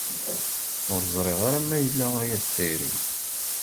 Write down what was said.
Ur ẓriɣ ara ma yella aya d tayri.